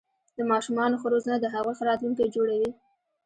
د ماشومانو ښه روزنه د هغوی ښه راتلونکې جوړوي.